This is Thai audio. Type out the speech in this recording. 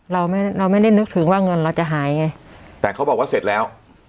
เราไม่เราไม่ได้นึกถึงว่าเงินเราจะหายไงแต่เขาบอกว่าเสร็จแล้ว